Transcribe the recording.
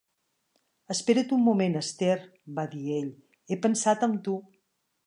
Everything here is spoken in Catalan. "Espera't un moment, Esther", va dir ell, "he pensat en tu".